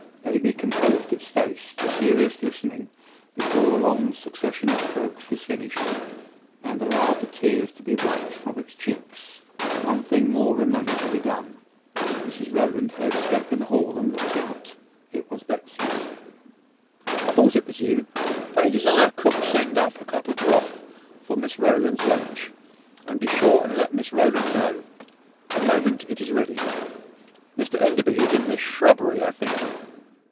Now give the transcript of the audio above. Baby composed its face to serious listening, before the long succession of strokes was finished, and allowed the tears to be wiped from its cheeks. One thing more remained to be done. Mrs Rowland heard a step in the hall, and looked out: it was Betsy's. "I thought it was you. Pray desire cook to send up a cup of broth for Miss Rowland's lunch; and be sure and let Miss Rowland know, the moment it is ready. Mr Enderby is in the shrubbery, I think."